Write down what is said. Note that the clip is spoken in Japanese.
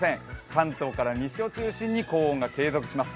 関東から西を中心に高温が継続します。